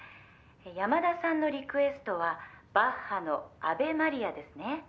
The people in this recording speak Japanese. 「山田さんのリクエストはバッハの『アヴェ・マリア』ですね？」